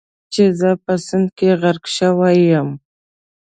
چې زه په سیند کې غرق شوی یم.